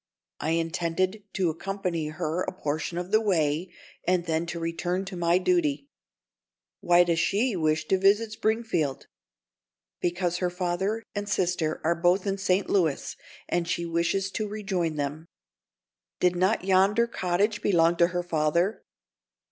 "I intended to accompany her a portion of the way, and then to return to my duty." "Why does she wish to visit Springfield?" "Because her father and sister are both in St. Louis, and she wishes to rejoin them." "Did not yonder cottage belong to her father?"